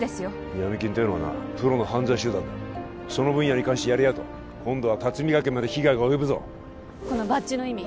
ヤミ金っていうのはなプロの犯罪集団だその分野に関してやり合うと今度は龍海学園まで被害が及ぶぞこのバッジの意味